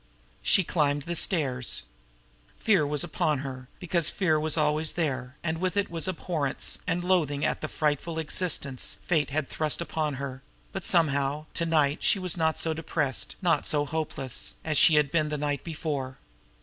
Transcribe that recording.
She climbed the stairs. Fear was upon her now, because fear was always there, and with it was abhorrence and loathing at the frightful existence fate had thrust upon her; but, somehow, to night she was not so depressed, not so hopeless, as she had been the night before.